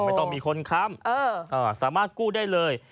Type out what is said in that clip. ไม่ต้องมีคนค้ำสามารถกู้ได้เลย